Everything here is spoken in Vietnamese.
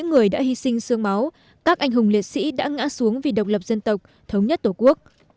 những người đã hy sinh sương máu các anh hùng liệt sĩ đã ngã xuống vì độc lập dân tộc thống nhất tổ quốc